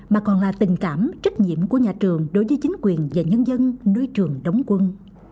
mà còn là tình cảm trách nhiệm của nhà trường đối với chính quyền và nhân dân nơi trường đóng quân